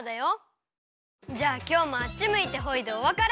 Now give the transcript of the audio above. じゃあきょうもあっちむいてホイでおわかれ。